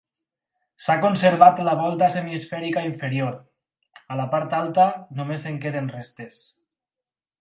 S'ha conservat la volta semiesfèrica inferior; a la part alta només en queden restes.